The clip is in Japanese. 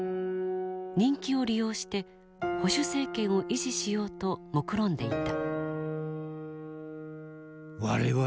人気を利用して保守政権を維持しようともくろんでいた。